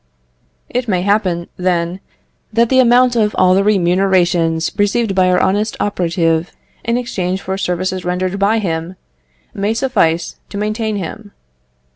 It may happen, then, that the amount of all the remunerations received by our honest operative, in exchange for services rendered by him, may suffice to maintain him.